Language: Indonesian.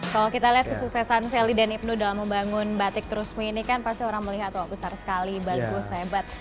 kalau kita lihat kesuksesan sally dan ibnu dalam membangun batik terusmi ini kan pasti orang melihat wah besar sekali bagus hebat